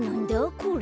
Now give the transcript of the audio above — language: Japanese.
これ。